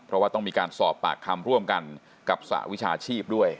เพราะว่าต้องมีการสอบปากคำร่วมกันกับสหวิชาชีพด้วย